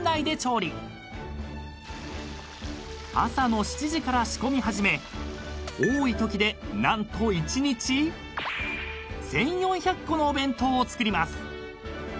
［朝の７時から仕込み始め多いときで何と１日１，４００個のお弁当を作ります］